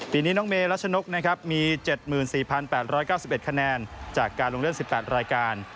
ปีนี้น้องเมรัชนกนะครับมี๗๔๘๙๑คะแนนจากการลงเล่น๑๘รายการ